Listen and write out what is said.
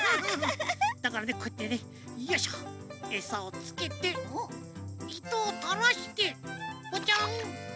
だからねこうやってねよいしょえさをつけていとをたらしてポチャン。